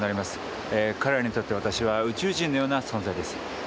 彼らにとって私は宇宙人のような存在です。